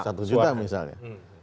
satu juta misalnya